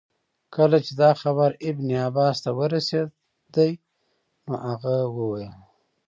کله چي دا خبر ابن عباس ته ورسېدی نو هغه وویل.